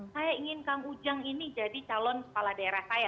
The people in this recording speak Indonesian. saya ingin kang ujang ini jadi calon kepala daerah saya